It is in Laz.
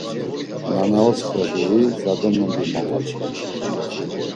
Nana otsxe, deyi zade nondi momaley.